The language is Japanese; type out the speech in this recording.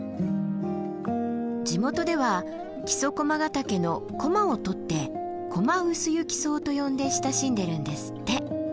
地元では木曽駒ヶ岳の「コマ」を取って「コマウスユキソウ」と呼んで親しんでるんですって。